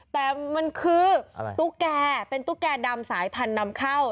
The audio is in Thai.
แต่มันคือตุ๊กแก่เป็นตุ๊กแก่ดำสายพันธุ์นำเข้า